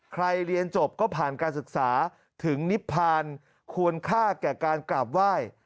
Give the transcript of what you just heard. เรียนจบก็ผ่านการศึกษาถึงนิพพานควรค่าแก่การกราบไหว้